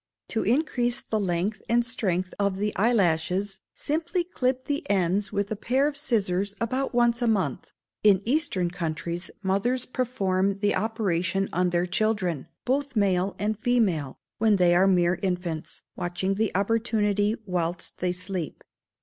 To increase the length and strength of the eyelashes, simply clip the ends with a pair of scissors about once a month. In eastern countries mothers perform the operation on their children, both male and female, when they are mere infants, watching the opportunity whilst they sleep.